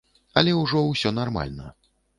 Але ўжо ўсё нармальна.